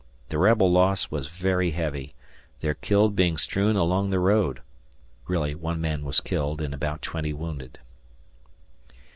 The rebel loss was very heavy, their killed being strewn along the road. ... [One man was killed and about twenty wounded.